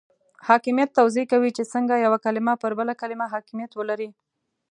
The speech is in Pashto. حاکمیت توضیح کوي چې څنګه یوه کلمه پر بله کلمه حاکمیت ولري.